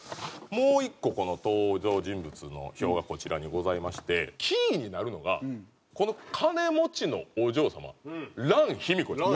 もう１個登場人物の表がこちらにございましてキーになるのがこの金持ちのお嬢様蘭ひみこちゃん。